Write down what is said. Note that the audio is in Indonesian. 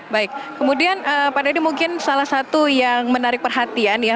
baik kemudian pak deddy mungkin salah satu yang menarik perhatian ya